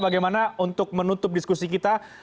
bagaimana untuk menutup diskusi kita